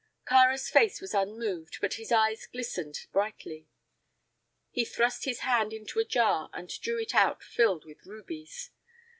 Kāra's face was unmoved, but his eyes glistened brightly. He thrust his hand into a jar and drew it out filled with rubies.